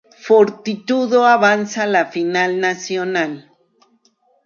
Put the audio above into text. Fortitudo avanza a la Final Nacional.